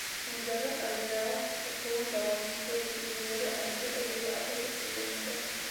Улдары Айҙар уҡыуын дауам итә, кинйәләре Айнур әлегә атай-әсәй янында.